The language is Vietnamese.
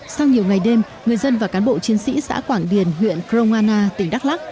sau nhiều ngày đêm người dân và cán bộ chiến sĩ xã quảng điền huyện kroana tỉnh đắk lắc